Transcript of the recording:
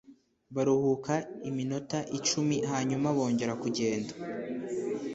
baruhuka iminota icumi hanyuma bongera kugenda